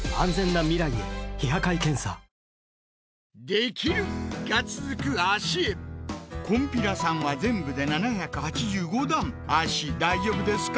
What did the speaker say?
できる！が続く脚へこんぴらさんは全部で７８５段脚大丈夫ですか？